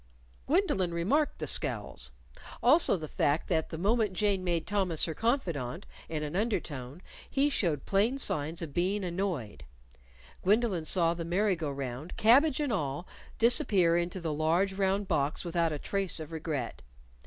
Gwendolyn remarked the scowls. Also the fact that the moment Jane made Thomas her confidant in an undertone he showed plain signs of being annoyed. Gwendolyn saw the merry go round cabbage and all disappear into the large, round box without a trace of regret.